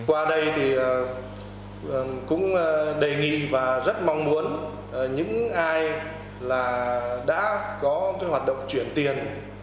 qua đây thì cũng đề nghị và rất mong muốn những ai là đã có hoạt động chuyển tiền